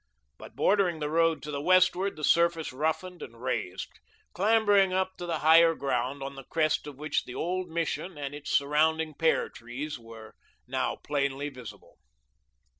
But bordering the road to the westward, the surface roughened and raised, clambering up to the higher ground, on the crest of which the old Mission and its surrounding pear trees were now plainly visible.